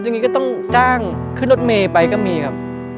อย่างนี้ก็ต้องจ้างขึ้นรถเมย์ไปก็มีครับ